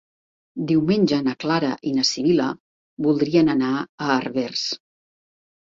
Diumenge na Clara i na Sibil·la voldrien anar a Herbers.